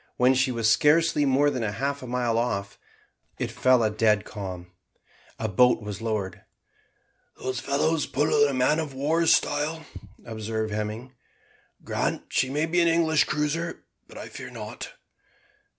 When she was scarcely more than half a mile off, it fell a dead calm. A boat was lowered. "Those fellows pull in man of war's style," observed Hemming. "Grant she may be an English cruiser: but I fear not."